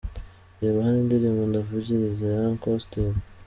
Reba hano indirimbo Ndavugiriza ya Uncle Austin :.